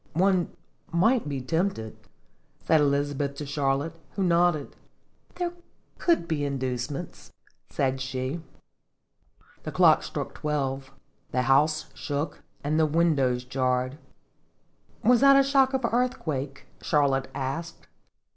" One might be tempted," said Elizabeth to Charlotte, who nodded. " There could be inducements," said she. The clock struck twelve ; the house shook, and the windows jarred. " Was that a shock of earthquake?" Char lotte asked.